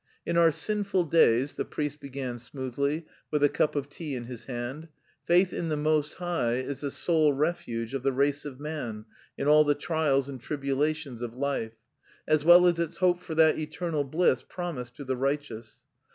"In our sinful days," the priest began smoothly, with a cup of tea in his hand, "faith in the Most High is the sole refuge of the race of man in all the trials and tribulations of life, as well as its hope for that eternal bliss promised to the righteous."